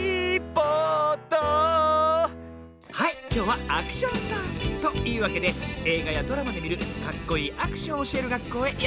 はいきょうはアクションスター！というわけでえいがやドラマでみるかっこいいアクションをおしえるがっこうへやってきたの。